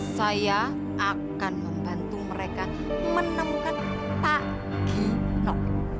saya akan membantu mereka menemukan pak ginok